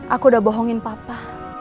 aku udah bohongin papa